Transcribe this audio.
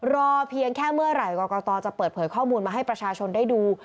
รอเพียงแค่เมื่อไหร่กรกตจะเปิดเผยข้อมูลมาให้ประชาชนได้ดู